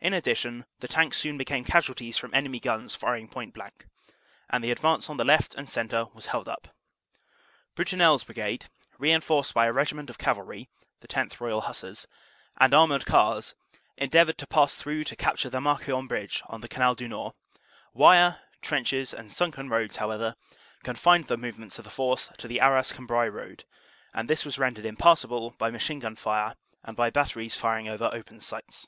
In addition, the Tanks soon became casualties from enemy guns firing point blank, and the advance on the left and centre was held up. "Brutinel s Brigade, reinforced by a Regiment of Cavalry (10th. Royal Hussars) and armored cars, endeavored to pass through to capture the Marquion bridge on the Canal du Nord. Wire, trenches and sunken roads, however, confined the movements of the force to the Arras Cambrai road; and this was rendered impassable by machine gun fire and by bat teries firing over open sights.